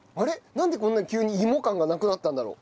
なんでこんな急に芋感がなくなったんだろう？